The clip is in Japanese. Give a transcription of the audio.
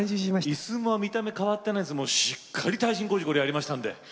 いすは見た目変わってないですがしっかり耐震工事やりましたんで。